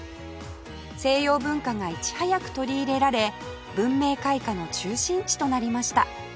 西洋文化がいち早く取り入れられ文明開化の中心地となりました